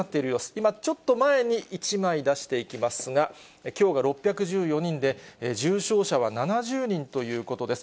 今ちょっと前に、１枚出していきますが、きょうが６１４人で、重症者は７０人ということです。